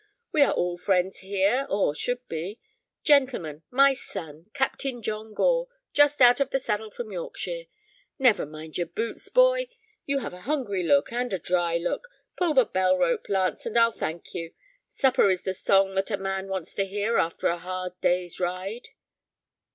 We are all friends here, or should be. Gentlemen, my son, Captain John Gore, just out of the saddle from Yorkshire. Never mind your boots, boy. You have a hungry look, and a dry look. Pull the bell rope, Launce, and I'll thank you. Supper is the song that a man wants to hear after a hard day's ride."